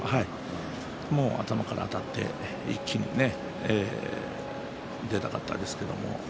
頭からあたって一気に出たかったですけどね。